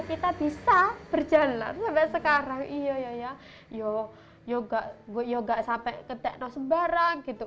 kita bisa berjalan sampai sekarang iya ya yo yo gak gue nggak sampai ketekno sembarang gitu